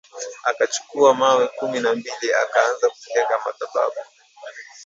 Akachukua mawe kumi na mbili akaanza kujenga madhabau.